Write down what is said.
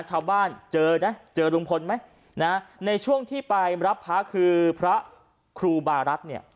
ชาวบ้านเจอนะเจอลุงพลไหมนะในช่วงที่ไปรับพระคือพระครูบารัฐเนี่ย